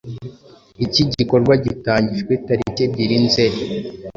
Iki gikorwa gitangijwe tariki ebyiri Nzeli .